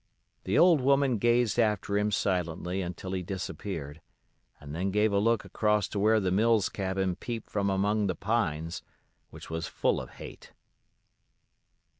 The old woman gazed after him silently until he disappeared, and then gave a look across to where the Mills cabin peeped from among the pines, which was full of hate.